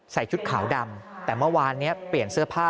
ชุดขาวดำแต่เมื่อวานนี้เปลี่ยนเสื้อผ้า